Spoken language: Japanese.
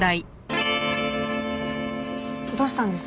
どうしたんです？